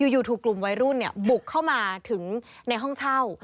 อยู่ถูกกลุ่มวัยรุ่นบุกเข้ามาถึงในห้องเช่า